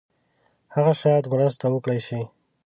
هغه شاید مرسته وکړای شي.